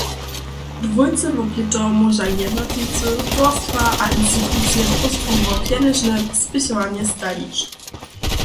Dwójce wob lěto móža jednotliwcy, towarstwa a institucije próstwu wo pjenježne spěchowanje stajić.